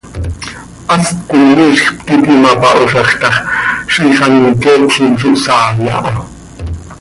Hast coi miizj ptiti mpahoozaj ta x, ziix an iqueetlim zo hsaai aha.